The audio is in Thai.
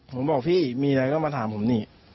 ผมบอกพี่มีอะไรก็มาถามผมนี่